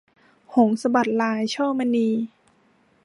หงส์สะบัดลาย - ช่อมณี